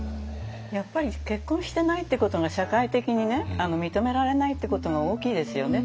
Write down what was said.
やっぱり結婚してないってことが社会的に認められないってことが大きいですよね。